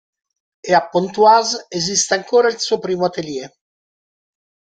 E a Pontoise esiste ancora il suo primo atelier.